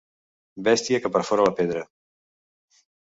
Bèstia que perfora la pedra.